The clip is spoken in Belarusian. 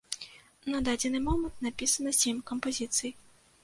На дадзены момант напісана сем кампазіцый.